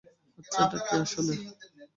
হচ্ছেটা কী আসলে?